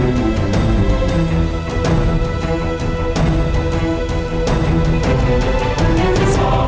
iya pak rizky rafa itu penangkut bang